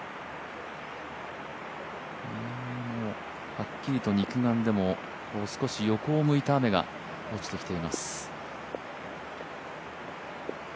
はっきりと肉眼でも、少し横を向いた雨が落ちてきています。